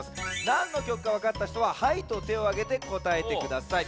なんの曲かわかったひとは「はい」と手をあげてこたえてください。